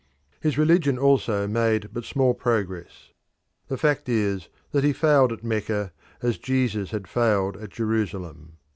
His religion also made but small progress. The fact is that he failed at Mecca as Jesus had failed at Jerusalem.